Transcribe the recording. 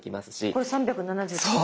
これ３７０円。